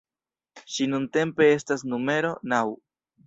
Ŝi nuntempe estas numero naŭ.